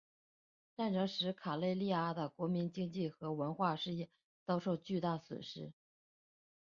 战争使卡累利阿的国民经济和文化事业遭受巨大损失。